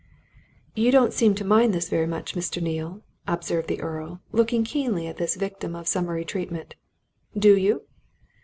"You don't seem to mind this very much, Mr. Neale," observed the Earl, looking keenly at this victim of summary treatment. "Do you?"